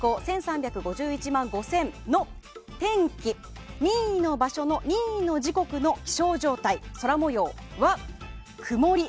人口１３４１万５０００の天気、任意の場所の任意の時刻の気象状態、空模様は曇り。